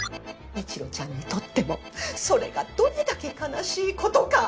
一路ちゃんにとってもそれがどれだけ悲しいことか！